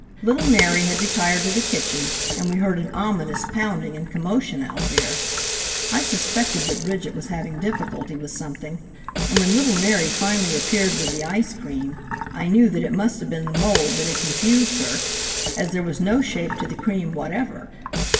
Little Mary had retired to the kitchen, and we heard an ominous pounding and commotion out there. I suspected that Bridget was having difficulty with something, and when little Mary finally appeared with the ice cream, I knew that it must have been the mould that had confused her, as there was no shape to the cream whatever.